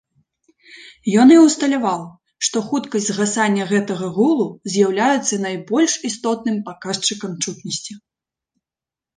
Ён і ўсталяваў, што хуткасць згасання гэтага гулу з'яўляецца найбольш істотным паказчыкам чутнасці.